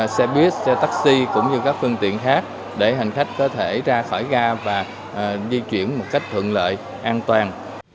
xe buýt xe taxi cũng như các phương tiện khác để hành khách có thể ra khỏi ga và di chuyển một cách thuận lợi an toàn